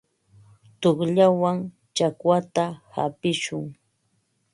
Tuqllawan chakwata hapishun.